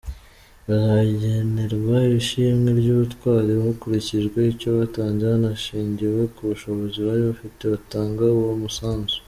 Bazagenerwa ishimwe ry’ubutwari hakurikijwe icyo batanze hanashingiwe kubushobozi bari bafite batanga uwo musanzu.